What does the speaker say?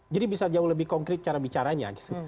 jadi bisa jauh lebih konkret cara bicaranya gitu